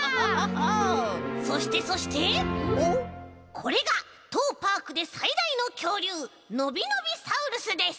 これがとうパークでさいだいのきょうりゅうのびのびサウルスです。